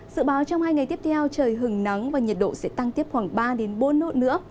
dự báo trong hai ngày tiếp theo trời hứng nắng và nhiệt độ sẽ tăng tiếp khoảng ba bốn độ nữa